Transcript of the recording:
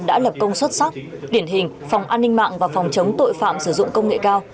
đã lập công xuất sắc điển hình phòng an ninh mạng và phòng chống tội phạm sử dụng công nghệ cao